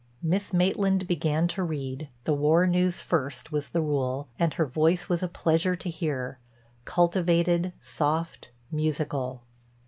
Miss Maitland began to read—the war news first was the rule—and her voice was a pleasure to hear, cultivated, soft, musical.